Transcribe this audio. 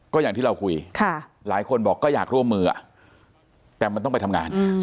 ก็อย่างที่เราคุยหลายคนบอกก็อยากร่วมมือแต่มันต้องไปทำงาน